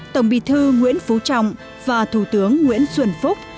tổng bí thư nguyễn phú trọng và thủ tướng nguyễn xuân phúc